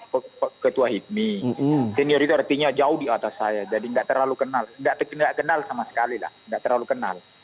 saya ketua hipmi senior itu artinya jauh di atas saya jadi nggak terlalu kenal nggak kenal sama sekali lah nggak terlalu kenal